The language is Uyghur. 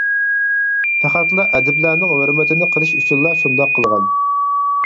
پەقەتلا ئەدىبلەرنىڭ ھۆرمىتىنى قىلىش ئۈچۈنلا شۇنداق قىلغان.